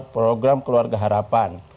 program keluarga harapan